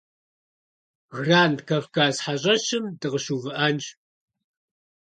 Гранд Кавказ хьэщӏэщым дыкъыщыувыӏэнщ.